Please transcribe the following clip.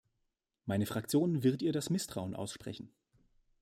Meine Fraktion wird ihr das Misstrauen aussprechen.